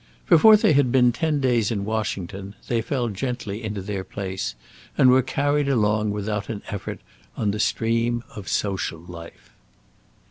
Before they had been ten days in Washington, they fell gently into their place and were carried along without an effort on the stream of social life.